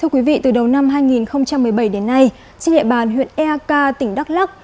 thưa quý vị từ đầu năm hai nghìn một mươi bảy đến nay trên địa bàn huyện eak tỉnh đắk lắc